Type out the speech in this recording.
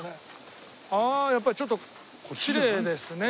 ああやっぱりちょっときれいですね